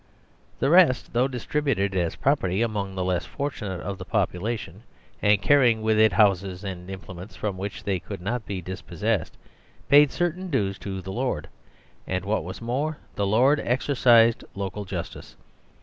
The rest, though distributed as property among the less for tunate of the population, and carrying with it houses and implements from which they could not be dis possessed, paid certain dues to the Lord, and, what was more, the Lord exercised local justice.